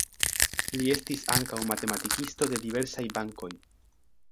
Li estis ankaŭ matematikisto de diversaj bankoj.